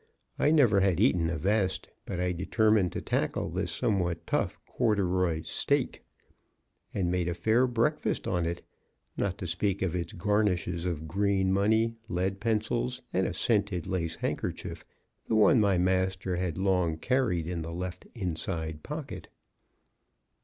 I never had eaten a vest. But I determined to tackle this somewhat tough corduroy "steak," and made a fair breakfast on it, not to speak of its garnishes of green money, lead pencils, and a scented lace handkerchief, the one my master had long carried in the left inside pocket.